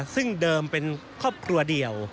ซึ่งเดิมเป็นครอบครัวเดียว